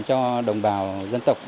cho đồng bào dân tộc ở mộc châu